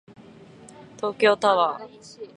東京タワー